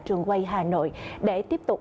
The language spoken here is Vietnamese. trường quay hà nội để tiếp tục